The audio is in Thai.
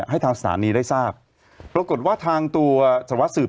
ให้ทางสถานีได้ทราบปรากฏว่าทางตัวสารวัสสืบ